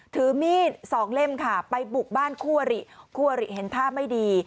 ถือมีดสองเล่มค่ะไปบุกบ้านคู่อริคู่อริเห็นท่าไม่ดี